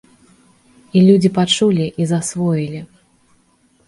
І людзі пачулі і засвоілі.